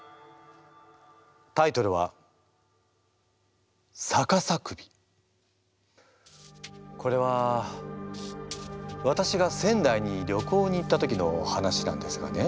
タイトルはこれはわたしが仙台に旅行に行った時の話なんですがね。